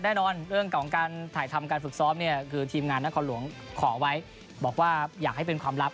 แน่นอนเรื่องของการถ่ายทำการฝึกซ้อมเนี่ยคือทีมงานนครหลวงขอไว้บอกว่าอยากให้เป็นความลับ